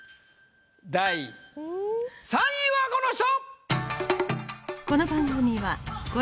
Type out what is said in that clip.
第３位はこの人！